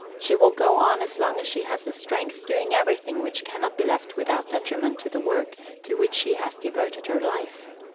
She will go on as long as she has strength doing everything which cannot be left without detriment to the work to which she has devoted her life.